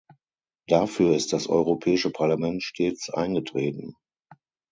Dafür ist das Europäische Parlament stets eingetreten.